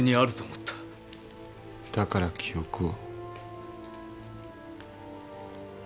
だから記憶を？